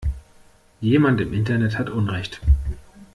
Jemand im Internet hat unrecht.